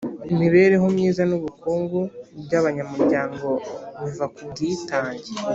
imibereho myiza n’ubukungu by abanyamuryango biva ku bwitage